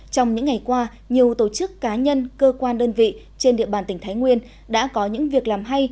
trong những ngày qua nhiều tổ chức cá nhân cơ quan đơn vị trên địa bàn tỉnh thái nguyên đã có những việc làm hay